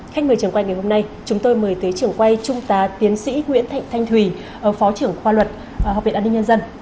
khách mời trường quay ngày hôm nay chúng tôi mời tới trường quay trung tá tiến sĩ nguyễn thạnh thanh thùy phó trưởng khoa luật học viện an ninh nhân dân